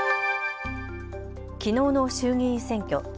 きのうの衆議院選挙。